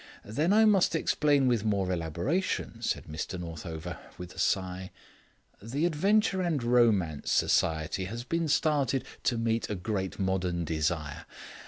"Then I must explain with more elaboration," said Mr Northover, with a sigh. "The Adventure and Romance Agency has been started to meet a great modern desire.